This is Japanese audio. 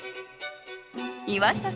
岩下さん